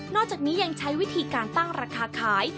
อกจากนี้ยังใช้วิธีการตั้งราคาขาย